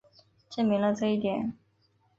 证明了这一点。